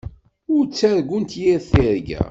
Ur ttargunt yir tirga.